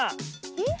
えっ？